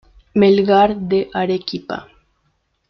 Melgar de Arequipa.